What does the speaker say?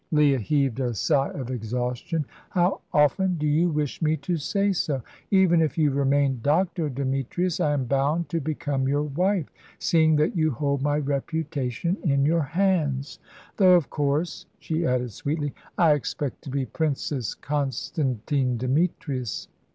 Leah heaved a sigh of exhaustion. "How often do you wish me to say so? Even if you remain Dr. Demetrius I am bound to become your wife, seeing that you hold my reputation in your hands. Though of course," she added sweetly, "I expect to be Princess Constantine Demetrius."